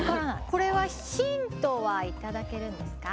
これはヒントは頂けるんですか。